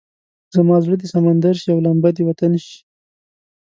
زما زړه دې سمندر شي او لمبه دې وطن شي.